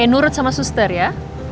nurut sama suster ya